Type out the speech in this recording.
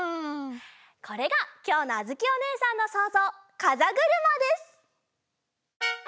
これがきょうのあづきおねえさんのそうぞうかざぐるまです！